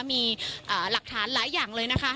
มีหลักฐานหลายอย่างเลยนะคะ